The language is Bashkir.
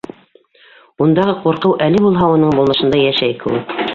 Ундағы ҡурҡыу әле булһа уның булмышында йәшәй кеүек.